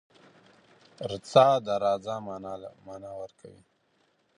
رڅه .د راځه معنی ورکوی